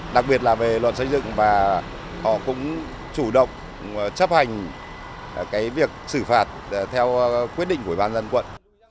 đặc biệt là về luật xây dựng và họ cũng chủ động chấp hành việc xử phạt theo quyết định của ủy ban dân quận